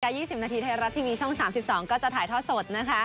มีรายการ๒๐นาทีไทยรัฐทีวีช่อง๓๒ก็จะถ่ายท่อสดนะคะ